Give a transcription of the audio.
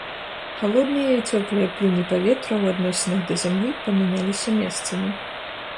Халодныя і цёплыя плыні паветра ў адносінах да зямлі памяняліся месцамі.